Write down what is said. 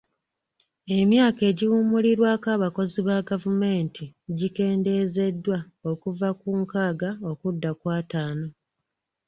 Emyaka egiwummulirwako abakozi ba gavumenti gikendeezeddwa okuva ku nkaaga okudda ku ataano.